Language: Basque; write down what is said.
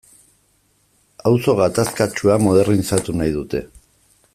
Auzo gatazkatsua modernizatu nahi dute.